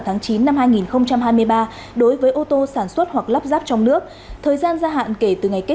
tháng chín năm hai nghìn hai mươi ba đối với ô tô sản xuất hoặc lắp ráp trong nước thời gian gia hạn kể từ ngày kết